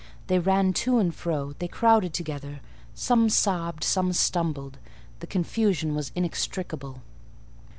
They ran to and fro; they crowded together: some sobbed, some stumbled: the confusion was inextricable.